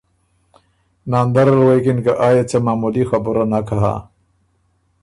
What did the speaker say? ناندر ال غوېکِن ”که آ يې څه معمولي خبُره نک هۀ